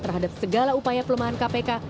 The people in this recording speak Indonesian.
terhadap segala upaya pelemahan kpk